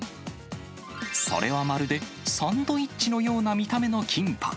それはまるでサンドイッチのような見た目のキンパ。